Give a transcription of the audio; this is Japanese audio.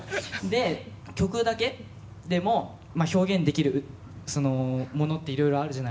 で曲だけでも表現できるものっていろいろあるじゃないですか。